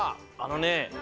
あのね